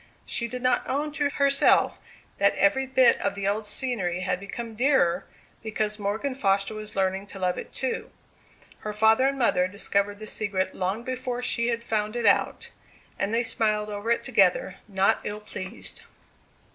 She did not own to herself that every bit of the old scenery had become dearer because Morgan Foster was learning to love it too. Her father and mother discovered the secret long before she had found it out; and they smiled over it together, not ill pleased.